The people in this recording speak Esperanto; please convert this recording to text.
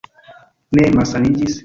Ne malsaniĝis?